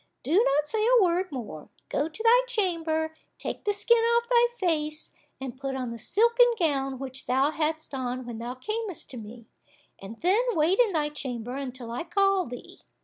Do not say a word more, go to thy chamber, take the skin off thy face, and put on the silken gown which thou hadst on when thou camest to me, and then wait in thy chamber until I call thee."